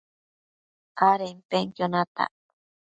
adenpenquio natac